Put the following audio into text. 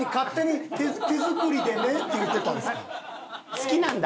好きなんだ。